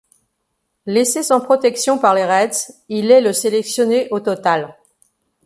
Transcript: Laissé sans protection par les Reds, il est le sélectionné au total.